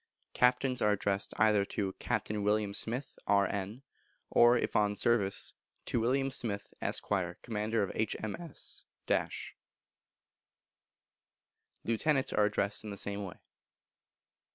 Captains are addressed either to "Captain William Smith, R.N.;" or if on service, "To William Smith, Esquire, Commander of H.M.S. " Lieutenants are addressed in the same way.